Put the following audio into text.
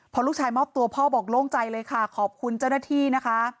พอลูกชายมอบตัวพ่อบอกโล่งใจเลยค่ะขอบคุณเจ้าหน้าที่นะคะ